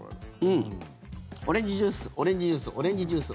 オレンジジュースオレンジジュース。